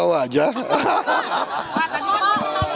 apa bicara aja pak